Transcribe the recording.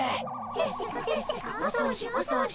せっせかせっせかお掃除お掃除。